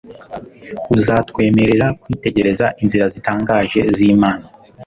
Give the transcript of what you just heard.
uzatwemerera kwitegereza inzira zitangaje z'Imana.